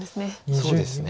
そうですね。